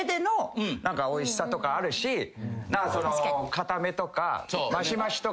硬めとかマシマシとか。